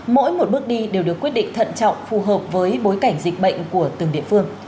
mỗi một bước đi đều được quyết định thận trọng phù hợp với bối cảnh dịch bệnh của từng địa phương